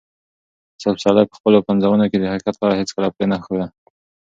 استاد پسرلي په خپلو پنځونو کې د حقیقت لاره هیڅکله پرې نه ښوده.